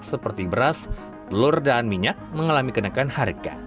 seperti beras telur dan minyak mengalami kenaikan harga